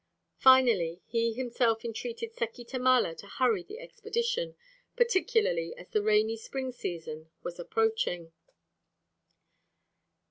Finally he himself entreated Seki Tamala to hurry the expedition, particularly as the rainy spring season was approaching.